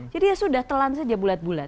jadi ya sudah telan saja bulat bulat